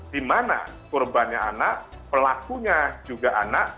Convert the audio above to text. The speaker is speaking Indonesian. dimana korbannya anak pelakunya juga anak